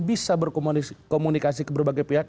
bisa berkomunikasi ke berbagai pihak